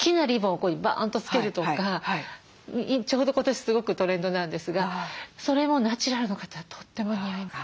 こういうふうにバーンと付けるとかちょうど今年すごくトレンドなんですがそれもナチュラルの方はとっても似合います。